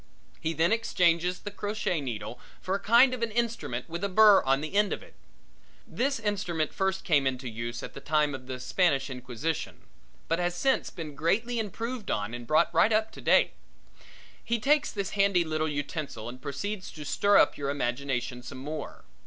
He then exchanges the crochet needle for a kind of an instrument with a burr on the end of it. This instrument first came into use at the time of the Spanish Inquisition but has since been greatly improved on and brought right up to date. He takes this handy little utensil and proceeds to stir up your imagination some more.